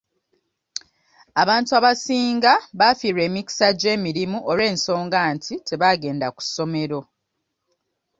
Abantu abasinga bafiirwa emikisa gy'emirimu olw'ensonga nti tebagenda ku ssomero.